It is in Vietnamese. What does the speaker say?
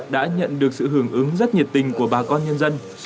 đã nhận được sự hưởng ứng rất nhiệt tình của bà con nhân dân